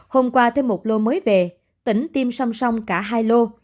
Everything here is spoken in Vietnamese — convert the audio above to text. hôm qua thêm một lô mới về tỉnh tiêm song song cả hai lô